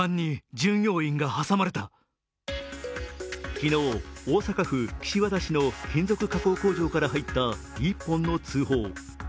昨日、大阪・岸和田市の金属加工工場から入った一本の通報。